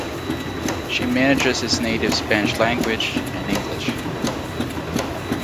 She manages his native Spanish language and English.